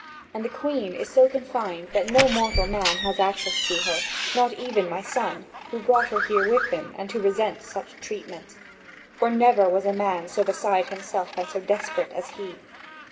And the Queen is so confined that no mortal man has access to her not even my son, who brought her here with him and who resents such treatment, for never was a man so beside himself and so desperate as he.